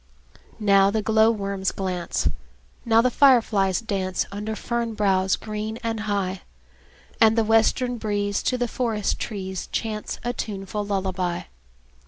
Now the glowworms glance, Now the fireflies dance, Under fern boughs green and high; And the western breeze To the forest trees Chants a tuneful lullaby.